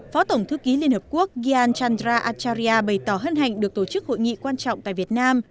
phó tổng thư ký liên hợp quốc gyan chandra atcharia bày tỏ hân hạnh được tổ chức hội nghị quan trọng tại việt nam